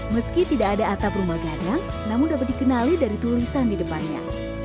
meski tidak ada atap rumah gadang namun dapat dikenali dari tulisan di depannya